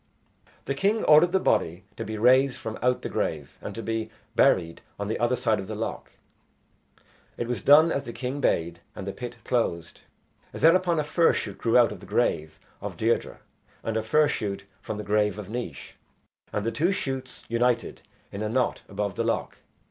The king ordered the body to be raised from out the grave and to be buried on the other side of the loch. It was done as the king bade, and the pit closed. Thereupon a fir shoot grew out of the grave of Deirdre and a fir shoot from the grave of Naois, and the two shoots united in a knot above the loch.